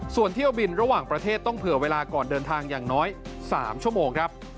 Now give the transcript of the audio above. ส่วนเที่ยวบินระหว่างประเทศต้องเผื่อเวลาก่อนเดินทางอย่างน้อย๓ชั่วโมงครับ